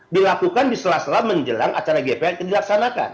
dilakukan disela sela menjelang acara gpl yang dilaksanakan